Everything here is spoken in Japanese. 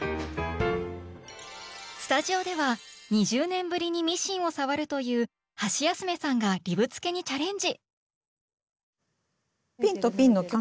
スタジオでは２０年ぶりにミシンを触るというハシヤスメさんがリブつけにチャレンジ！